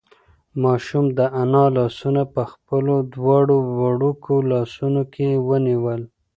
ماشوم د انا لاسونه په خپلو دواړو وړوکو لاسونو کې ونیول.